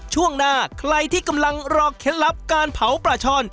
ช่วงหน้าใครที่กำลังรอเคล็ดลับการเผาปลาช่อน